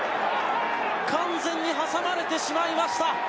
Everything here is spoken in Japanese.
完全に挟まれてしまいました。